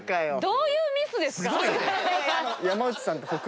どういうミスですか？